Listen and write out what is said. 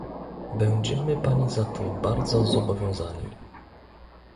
Będziemy Pani za to bardzo zobowiązani